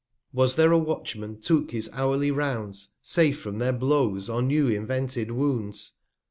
4 c Was there a Watchman took his hourly Rounds, Safe from their Blows, or new invented Wounds?